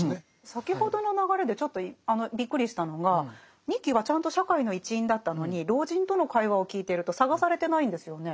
先ほどの流れでちょっとびっくりしたのが仁木はちゃんと社会の一員だったのに老人との会話を聞いていると探されてないんですよね。